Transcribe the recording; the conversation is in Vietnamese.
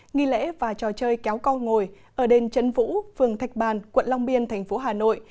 nghi lễ và trò chơi kéo co ngồi ở đền trấn vũ phường thạch bàn quận long biên thành phố hà nội